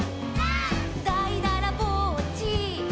「」「だいだらぼっち」「」